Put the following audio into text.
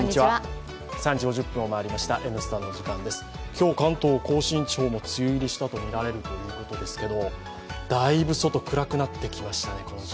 今日、関東甲信地方も梅雨入りしたとみられるということですけれどもだいぶ外、暗くなってきました。